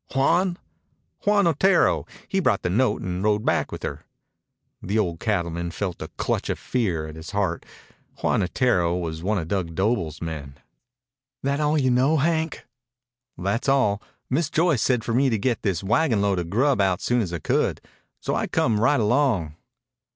"Juan?" "Juan Otero. He brought the note an' rode back with her." The old cattleman felt a clutch of fear at his heart. Juan Otero was one of Dug Doble's men. "That all you know, Hank?" "That's all. Miss Joyce said for me to get this wagonload of grub out soon as I could. So I come right along."